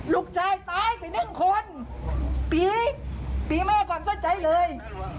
ลูกชายตายไปนึงคนพี่มีขวามสุดใจเลย